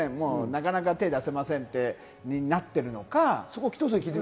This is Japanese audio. なかなか手を出せませんってなっているのか。